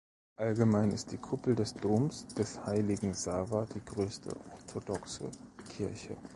Allgemein ist die Kuppel des Doms des Heiligen Sava die größte orthodoxe Kirche.